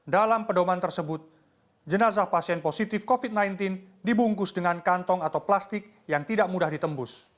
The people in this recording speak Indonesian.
dalam pedoman tersebut jenazah pasien positif covid sembilan belas dibungkus dengan kantong atau plastik yang tidak mudah ditembus